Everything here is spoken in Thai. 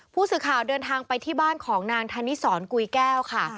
ผู้สื่อข่าวเดินทางไปที่บ้านของนางธนิสรกุยแก้วค่ะ